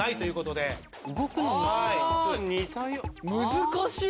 難しい！